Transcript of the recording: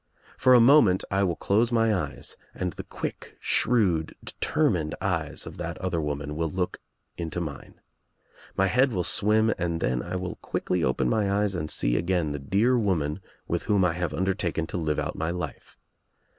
For a moment I will close my eyes and the i quick, shrewd, determined eyes of that other woman will look into mine. My head will swim and then I will quickly open my eyes and see again the dear woman with whom I have undertaken to live out my life.